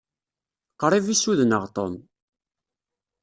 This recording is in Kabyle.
Qṛib i ssudneɣ Tom.